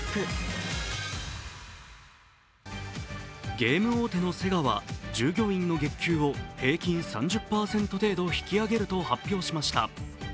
ゲーム大手のセガは従業員の月給を平均３０％程度引き上げると発表しました。